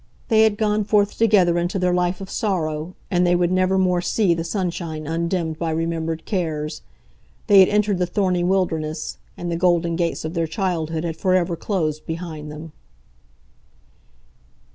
They had gone forth together into their life of sorrow, and they would never more see the sunshine undimmed by remembered cares. They had entered the thorny wilderness, and the golden gates of their childhood had forever closed behind them.